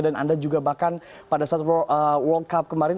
dan anda juga bahkan pada saat world cup kemarin